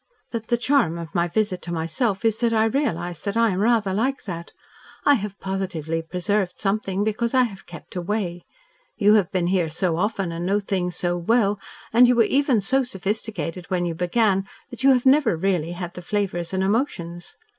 "That the charm of my visit, to myself, is that I realise that I am rather like that. I have positively preserved something because I have kept away. You have been here so often and know things so well, and you were even so sophisticated when you began, that you have never really had the flavours and emotions.